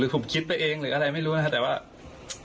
หรือผมคิดไปเองหรืออะไรไม่รู้นะครับ